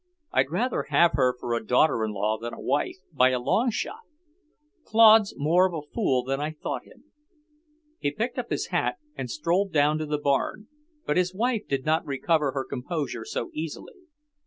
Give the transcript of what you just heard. I'd rather have her for a daughter in law than a wife, by a long shot. Claude's more of a fool than I thought him." He picked up his hat and strolled down to the barn, but his wife did not recover her composure so easily.